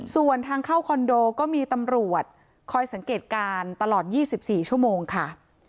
ส่วนทางเข้าคอนโดก็มีตำรวจคอยสังเกตการณ์ตลอด๒๔ชั่วโมงค่ะ